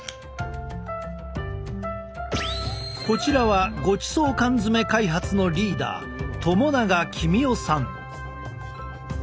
こちらはごちそう缶詰開発のリーダー友永公生さん。